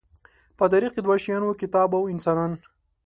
په تاریخ کې دوه شیان وو، کتاب او انسانان.